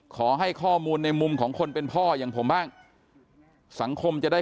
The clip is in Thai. ขอให้ข้อมูลในมุมของคนเป็นพ่ออย่างผมบ้างสังคมจะได้